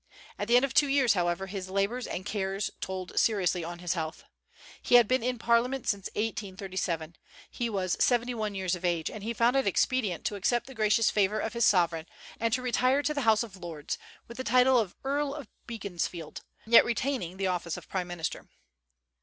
At the end of two years, however, his labors and cares told seriously on his health. He had been in Parliament since 1837; he was seventy one years of age, and he found it expedient to accept the gracious favor of his sovereign, and to retire to the House of Lords, with the title of Earl of Beaconsfield, yet retaining the office of prime minister.